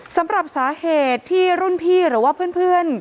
สำหรับสาเหตุที่รุ่นพี่หรือว่าเพื่อน